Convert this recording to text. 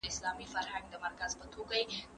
موږ په پښتو ژبي کي خپل کلتور ساتو.